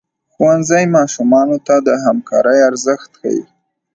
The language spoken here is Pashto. ښوونځی ماشومانو ته د همکارۍ ارزښت ښيي.